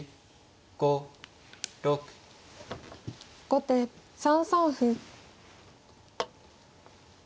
後手３三歩。